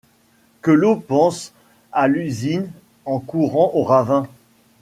Que l’eau pense à l’usine en courant au ravin ?